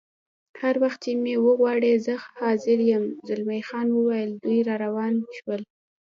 هر وخت چې مې وغواړې زه حاضر یم، زلمی خان وویل: دوی روان شول.